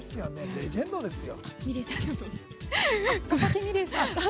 レジェンドですよ。